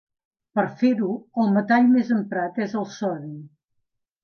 Per a fer-ho el metall més emprat és el sodi.